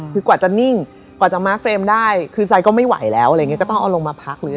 คือกว่าจะนิ่งกว่าจะมาร์คเฟรมได้คือไซดก็ไม่ไหวแล้วอะไรอย่างนี้ก็ต้องเอาลงมาพักเลย